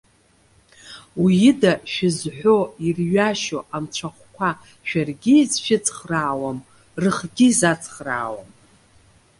Уи ида, шәызҳәо ирҩашьоу анцәахәқәа шәаргьы изшәыцхраауам, рыхгьы изацхраауам.